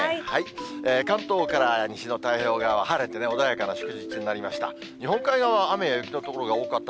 関東から西の太平洋側は晴れてね、穏やかな祝日になりました。